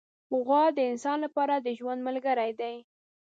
غوا د انسان له پاره د ژوند ملګرې ده.